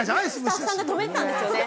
スタッフさんが止めてたんですよね。